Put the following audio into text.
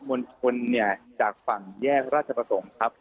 มวลชนเนี่ยจากฝั่งแยกราชประสงค์ครับ